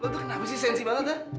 lo tuh kenapa sih sensi banget ya